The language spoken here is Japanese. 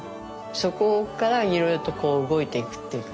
そこからいろいろとこう動いていくっていうかね